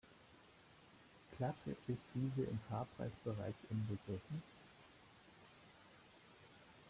Klasse ist diese im Fahrpreis bereits inbegriffen.